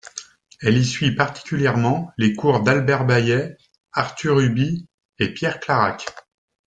Elle y suit particulièrement les cours d'Albert Bayet, Arthur Huby et Pierre Clarac.